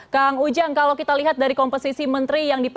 kang ujang kalau kita lihat dari komposisi menteri yang diperlukan